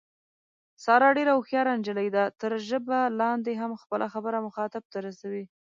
ساره ډېره هوښیاره نجیلۍ ده، تر ژبه لاندې هم خپله خبره مخاطب ته رسوي.